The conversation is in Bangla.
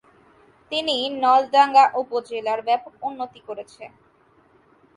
তিনি নলডাঙ্গা উপজেলার ব্যাপক উন্নতি করেছে